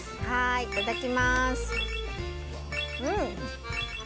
いただきます。